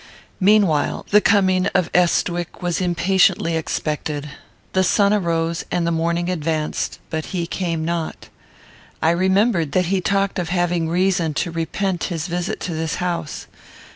Meanwhile, the coming of Estwick was impatiently expected. The sun arose, and the morning advanced, but he came not. I remembered that he talked of having reason to repent his visit to this house.